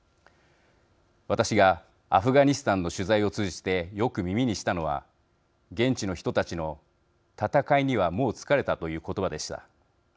私がアフガニスタンの取材を通じてよく耳にしたのは現地の人たちの「戦いにはもう疲れた」という言葉でした。